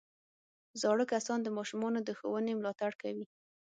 زاړه کسان د ماشومانو د ښوونې ملاتړ کوي